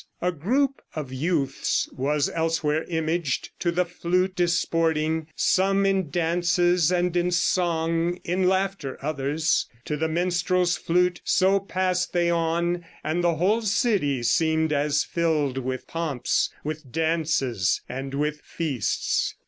A group Of youths was elsewhere imaged, to the flute Disporting; some in dances, and in song; In laughter others. To the minstrel's flute So pass'd they on; and the whole city seem'd As fill'd with pomps, with dances, and with feasts."